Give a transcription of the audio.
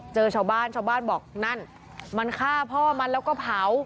เจอชาวบ้านชาวบ้านบอกนั่นมันฆ่าพ่อมันแล้วก็เผา